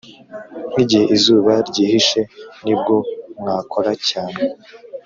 nkigihe izuba, ryihishe nibwo mwakora cyane